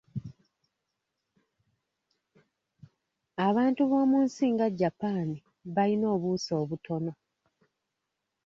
Abantu b'omu nsi nga Japan bayina obuuso obutono.